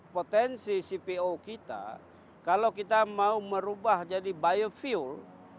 potensi cpo kita kalau kita mau merubah jadi biofuel